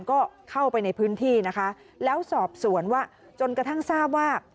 ก็เข้าไปในพื้นที่นะคะแล้วสอบสวนว่าจนกระทั่งทราบว่า